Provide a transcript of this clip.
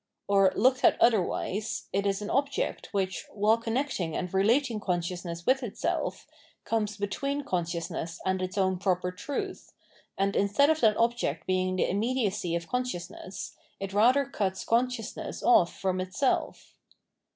Or, looked at otherwise, it is an object which, while coimecting and relating consciousness with itself, comes between consciousness and its own proper truth. 654 Phenomenology of Mind and instead of that object being the immediacy of con sciousness, it rather cuts consciousness ofi from itself.